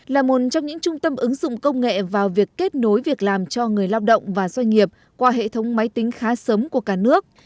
là một trong những trung tâm ứng dụng công nghệ vào việc kết nối việc làm cho người lao động và doanh nghiệp qua hệ thống máy tính khá sớm của cả nước